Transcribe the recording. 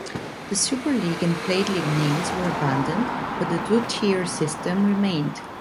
The Super League and Plate League names were abandoned, but the two-tier system remained.